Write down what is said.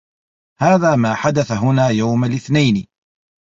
هذا ما حدث هنا يوم الإثنين.